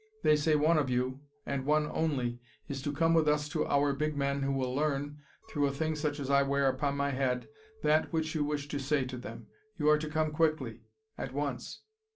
They say one of you, and one only, is to come with us to our big men who will learn, through a thing such as I wear upon my head, that which you wish to say to them. You are to come quickly; at once."